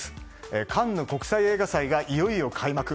カンヌ国際映画祭がいよいよ開幕。